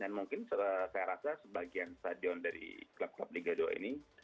dan mungkin saya rasa sebagian stadion dari klub klub ligado ini